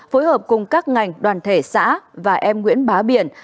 phối hợp cùng các ngành đoàn thể xã và em nguyễn bá biển